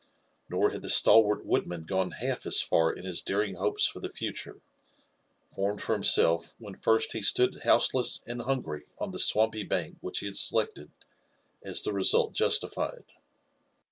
Nor bad the stalwart wo^odman gone hAFf as faf in his darrng bopes^ for the future, formed for himself wheir firdt be flUeod bousetessr and hungry on the swampy bank which be bad selected^ a# tb4 resuft justified.